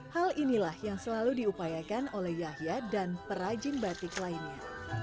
hal inilah yang selalu diupayakan oleh yahya dan perajin batik lainnya